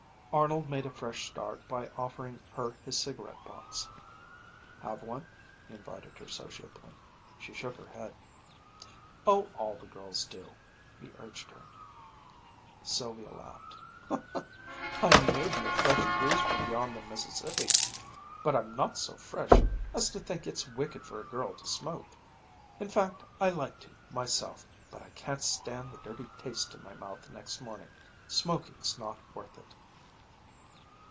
Arnold made a fresh start by offering her his cigarette box. "Have one," he invited her, sociably. She shook her head. "Oh, all the girls do," he urged her. Sylvia laughed. "I may be a fresh breeze from beyond the Mississippi, but I'm not so fresh as to think it's wicked for a girl to smoke. In fact I like to, myself, but I can't stand the dirty taste in my mouth the next morning. Smoking's not worth it."